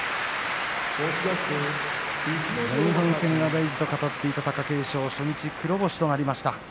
前半戦が大事と語っていた貴景勝ですが初日、黒星となりました。